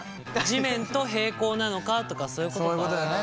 地面と平行なのかとかそういうことか。